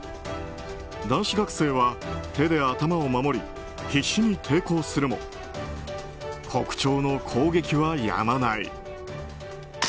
男子学生は、手で頭を守り必死に抵抗するもコクチョウの攻撃はやまない。